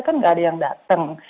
kan nggak ada yang datang